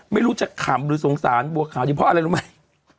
ไม่รู้จะขำหรือสงสารบัวขาวดีเพราะอะไรรู้ไหม